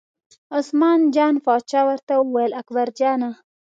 عثمان جان پاچا ورته وویل اکبرجانه!